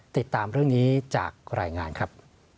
ติดตามเรื่องนี้จากรายงานครับ